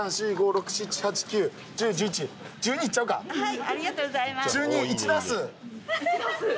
はい。